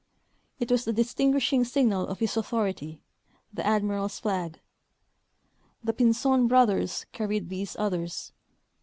It was the distinguishing signal of his authority, the admiral's flag. The Pinzpn brothers carried these others.